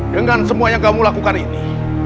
dengan semua yang kamu lakukan ini